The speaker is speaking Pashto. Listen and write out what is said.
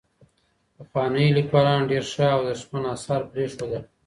پخوانيو ليکوالانو ډېر ښه او ارزښتمن اثار پرېښودل.